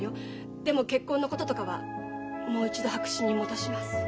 でも結婚のこととかはもう一度白紙に戻します。